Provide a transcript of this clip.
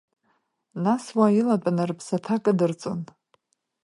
Нас уа илатәаны рыԥсаҭа кыдырҵон.